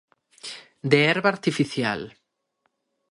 De herba artificial.